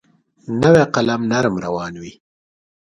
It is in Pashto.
نوی قلم نرم روان وي.